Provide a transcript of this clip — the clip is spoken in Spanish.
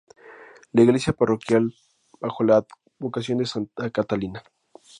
La Iglesia parroquial, bajo la advocación de Santa Catalina.